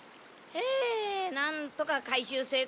ふなんとか回収成功！